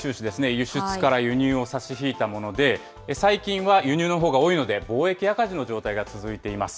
輸出から輸入を差し引いたもので、最近は輸入のほうが多いので、貿易赤字の状態が続いています。